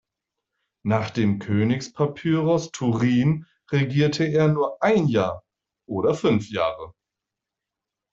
Nach dem Königspapyrus Turin regierte er nur ein Jahr oder fünf Jahre.